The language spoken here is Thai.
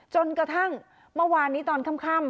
จนกระทั่งเมื่อวานนี้ตอนค่ำ